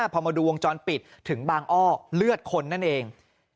พอมาดูวงจรปิดถึงบางอ้อเลือดคนนั่นเอง